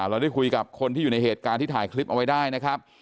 เราได้คุยกับคนที่อยู่ในเหตุการณ์ที่ถ่ายคลิปเอาไว้ได้นะครับ